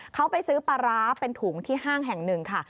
เขาไปซื้อปลาร้าเป็นถุงที่ห้างแห่งหนึ่งค่ะ